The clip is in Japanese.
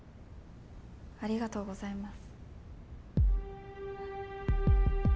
ありがとうございます。